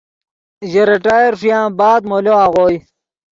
ژے ریٹائر ݰویان بعد مولو آغوئے